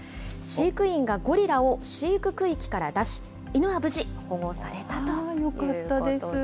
飼育員がゴリラを飼育区域から出し、犬は無事、保護されたとよかったです。